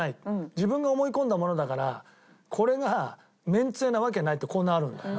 自分が思い込んだものだからこれが麺つゆなわけないってこうなるんだよな。